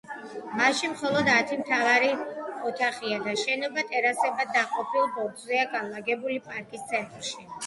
მასში მხოლოდ ათი მთავარი ოთახია და შენობა ტერასებად დაყოფილ ბორცვზეა განლაგებული პარკის ცენტრში.